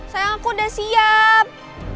sayang aku udah siap